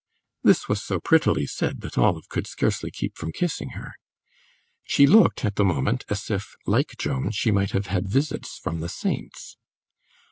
This was so prettily said that Olive could scarcely keep from kissing her; she looked at the moment as if, like Joan, she might have had visits from the saints.